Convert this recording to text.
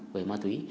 với ma túy